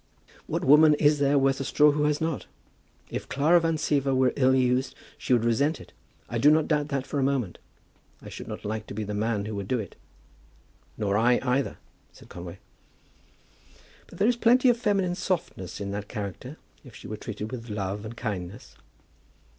"What woman is there worth a straw that has not? If Clara Van Siever were ill used, she would resent it. I do not doubt that for a moment. I should not like to be the man who would do it." "Nor I, either," said Conway. "But there is plenty of feminine softness in that character, if she were treated with love and kindness.